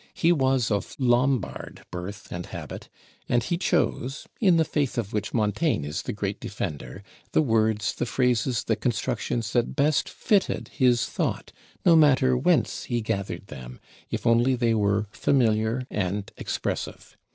He was of Lombard birth and habit, and he chose in the faith of which Montaigne is the great defender the words, the phrases, the constructions that best fitted his thought, no matter whence he gathered them, if only they were familiar and expressive.